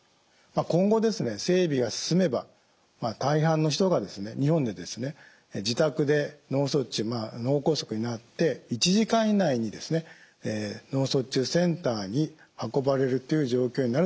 今後整備が進めば大半の人が日本でですね自宅で脳卒中脳梗塞になって１時間以内に脳卒中センターに運ばれるという状況になると期待してます。